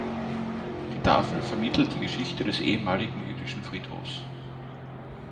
Die Tafel vermittelt die Geschichte des ehemaligen jüdischen Friedhofs.